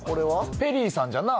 ペリーさんじゃなぁ。